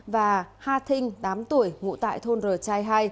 và ha thinh tám tuổi ngụ tại thôn r chai hai